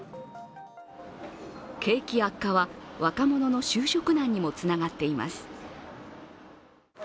景気悪化は、若者の就職難にもつながっています。